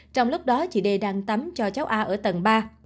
trong lúc đó chị đê đang tắm cho cháu a ở tầng ba